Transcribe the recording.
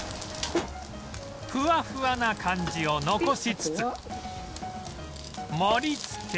ふわふわな感じを残しつつ盛り付け